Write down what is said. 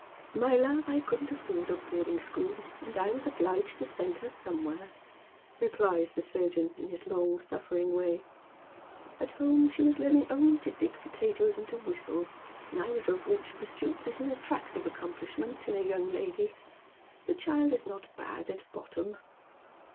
" My love, I couldn't afford a boarding school, and I was obliged to send her somewhere," replies the surgeon, in his long Bull'ering way. " At home she was learning only to dig potatoes and to whistle, neither of which pursuits is an attractive accom pUshment in a young lady. The child is not bad at bottom."